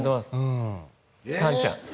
カンちゃん